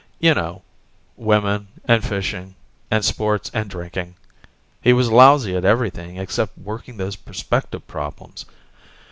You know ... women and fishing and sports and drinking; he was lousy at everything except working those perspective problems.